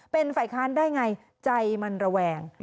เป็นฝ่ายค้านได้ไงใจมันระแวง